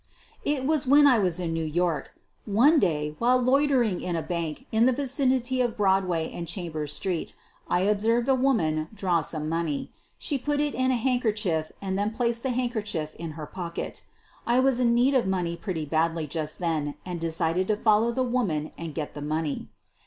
It was when I was in New York. One day, while loitering in a bank in the vicinity of Broadway and Chambers street, I observed a woman draw some money. She put it in a handkerchief and then placed jthe handkerchief in her pocket. I was in need of money pretty badly just then and decided to follow the woman and get the money.